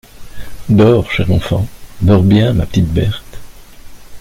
Dors, chère enfant !… dors bien, ma petite Berthe !…